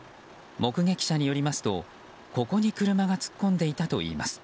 目撃者によりますとここに車が突っ込んでいたといいます。